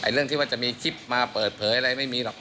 เรื่องที่ว่าจะมีคลิปมาเปิดเผยอะไรไม่มีหรอก